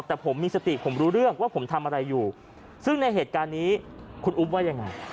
แต่ผมมีสติผมรู้เรื่องว่าผมทำอะไรอยู่ซึ่งในเหตุการณ์นี้คุณอุ๊บว่ายังไง